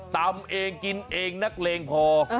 ตำเองกินเองนักเลงพอ